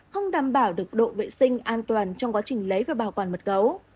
không đảm bảo được độ vệ sinh an toàn trong quá trình lấy và bảo quản mật gấu